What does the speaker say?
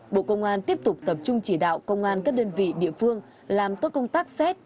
bộ công an tiếp tục tập trung chỉ đạo công an các đơn vị địa phương làm tốt công tác xét